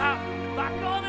バックホーム！